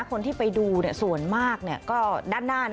คนที่ไปดูส่วนมากก็ด้านหน้า